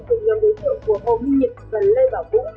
cùng nhau đối thượng của hồ minh nhật và lê bảo vũ